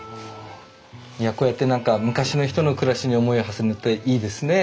いやこうやって何か昔の人の暮らしに思いをはせるのっていいですね。